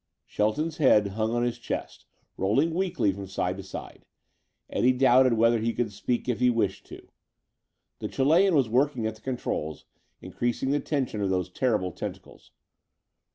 Shelton's head hung on his chest, rolling weakly from side to side. Eddie doubted whether he could speak if he wished to. The Chilean was working at the controls, increasing the tension of those terrible tentacles.